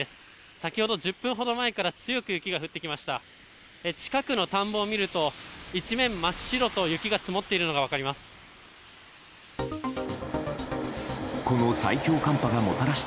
先ほど１０分ほど前から強く雪が降ってきました。